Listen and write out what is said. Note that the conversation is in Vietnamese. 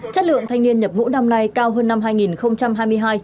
chất lượng thanh niên nhập ngũ năm nay cao hơn năm hai nghìn hai mươi hai